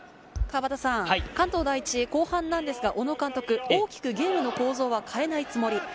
関東第一、後半なんですが、小野監督、大きくゲームの構図は変えないつもり。